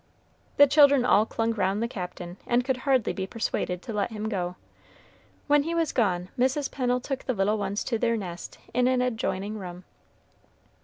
The children all clung round the Captain, and could hardly be persuaded to let him go. When he was gone, Mrs. Pennel took the little ones to their nest in an adjoining room.